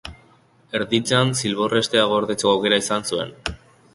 Erditzean, zilbor hestea gordetzeko aukera izan zuen.